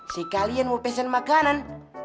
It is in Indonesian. sekalian mau pesan makanan